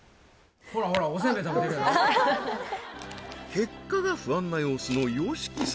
結果が不安な様子のＹＯＳＨＩＫＩ様